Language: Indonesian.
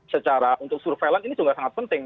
secara untuk surveillance ini juga sangat penting